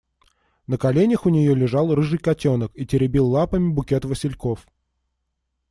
На коленях у нее лежал рыжий котенок и теребил лапами букет васильков.